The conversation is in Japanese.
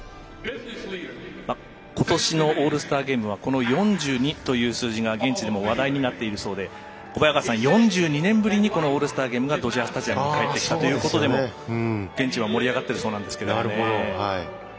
ことしのオールスターゲームは４２という数字が現地でも話題になっているそうで小早川さん、４２年ぶりにオールスターゲームがドジャースタジアムに帰ってきたということでも現地は盛り上がっているそうですが。